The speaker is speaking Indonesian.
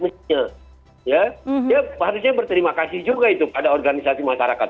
harusnya berterima kasih juga itu pada organisasi masyarakat